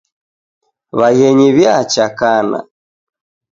Waghenyi wiacha kana.